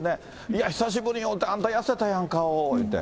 いや、久しぶりにおうたら、あんた痩せたやん、顔って。